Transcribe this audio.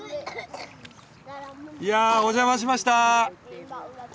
いやあお邪魔しました。